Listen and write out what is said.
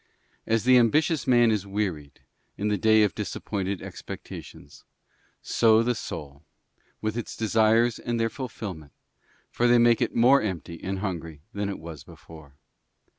As the ambitious man is wearied in the day of disappointed expectations, so the soul with its desires and their fulfilment, for they make it more empty and hungry than it was before.